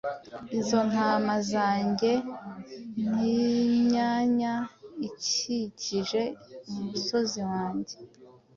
Izo ntama zanjye n’imyanya ikikije umusozi wanjye,